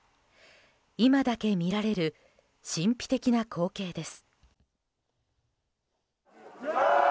今だけ見られる神秘的な光景です。